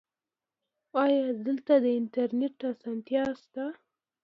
ایا دلته د انټرنیټ اسانتیا شته؟